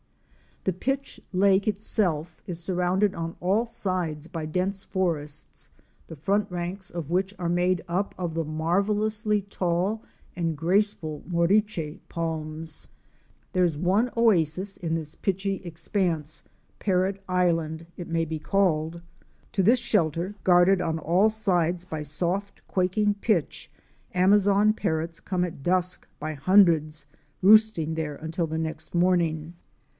The pitch lake itself is surrounded on all sides by dense forests, the front ranks of which are made up of the marvellously tall and graceful moriche palms. There is one oasis in this pitchy expanse — Parrot Island it Fic. 31. WHITE HEADED CHIMACHIMA HAWK AND ETA Pawo. may be called. To this shelter, guarded on all sides by soft, quaking pitch, Amazon Parrots come at dusk by hundreds, roosting there until the next morning.